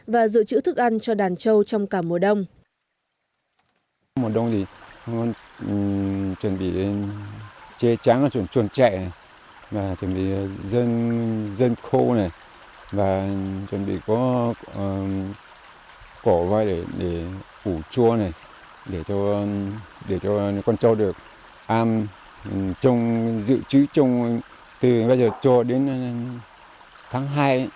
và dự trữ thức ăn cho đàn châu trong cả mùa đông